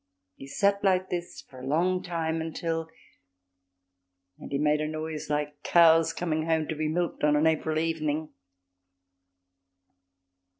He sat like this for a long time until ... and he made a noise like cows coming home to be milked on an April evening.